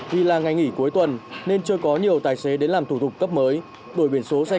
vì là ngày nghỉ cuối tuần nên chưa có nhiều tài xế đến làm thủ tục cấp mới đổi biển số xe